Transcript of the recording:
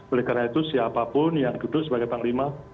oleh karena itu siapapun yang duduk sebagai panglima